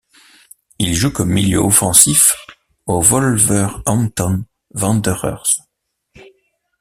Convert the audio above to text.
Il joue comme milieu offensif aux Wolverhampton Wanderers.